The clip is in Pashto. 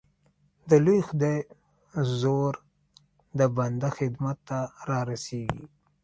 د لوی خدای زور د بنده خدمت ته را رسېږي